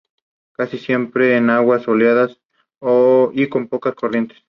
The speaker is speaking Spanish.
Casi siempre en aguas soleadas y con pocas corrientes.